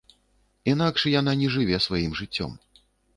Інакш яна не жыве сваім жыццём.